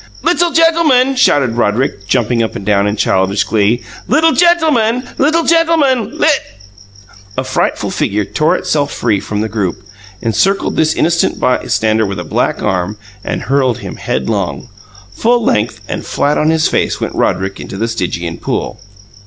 "Little gentleman!" shouted Roderick, jumping up and down in childish glee. "Little gentleman! Little gentleman! Lit " A frightful figure tore itself free from the group, encircled this innocent bystander with a black arm, and hurled him headlong. Full length and flat on his face went Roderick into the Stygian pool.